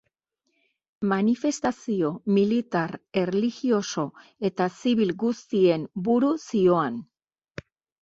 Manifestazio militar, erlijioso eta zibil guztien buru zihoan.